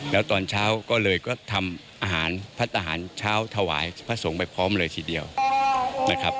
แล้วตอนเช้าก็เลยก็ทำอาหารพระทหารเช้าถวายพระสงฆ์ไปพร้อมเลยทีเดียวนะครับ